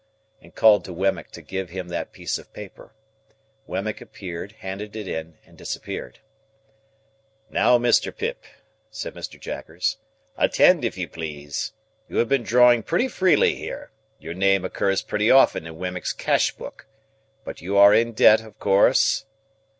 and called to Wemmick to give him that piece of paper. Wemmick appeared, handed it in, and disappeared. "Now, Mr. Pip," said Mr. Jaggers, "attend, if you please. You have been drawing pretty freely here; your name occurs pretty often in Wemmick's cash book; but you are in debt, of course?"